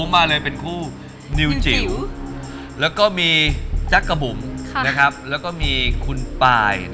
มาเลยเป็นคู่นิวจิ๋วจั๊กกะบุ่มและคุณปลาย